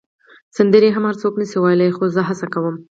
سندرې هم هر څوک نه شي ویلای، خو زه هڅه کوم.